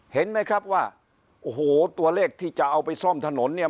เห็นไหมครับว่าโอ้โหตัวเลขที่จะเอาไปซ่อมถนนเนี่ย